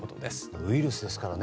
ウイルスですからね。